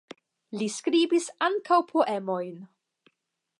Li skribis ankaŭ poemojn.